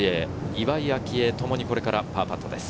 岩井明愛ともにこれからパーパットです。